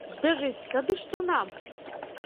Збяжыць, тады што нам?